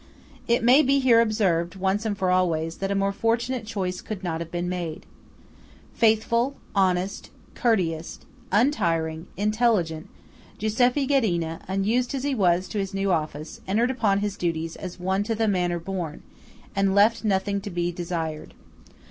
It may here be observed, once and for always, that a more fortunate choice could not have been made. Faithful, honest, courteous, untiring, intelligent, Giuseppe Ghedina, unused as he was to his new office, entered upon his duties as one to the manner born, and left nothing to be desired.